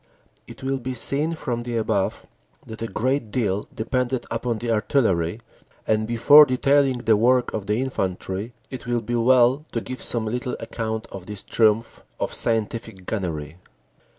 It will be seen from the above that a great deal depended upon the artillery, and before detailing the work of the infantry, it will be well to give some little account of this triumph of scientific gunnery.